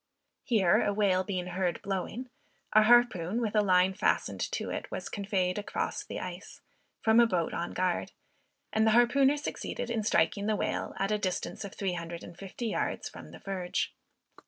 Here a whale being heard blowing, a harpoon, with a line fastened to it, was conveyed across the ice, from a boat on guard, and the harpooner succeeded in striking the whale, at the distance of three hundred and fifty yards from the verge.